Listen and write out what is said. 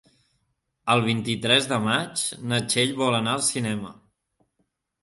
El vint-i-tres de maig na Txell vol anar al cinema.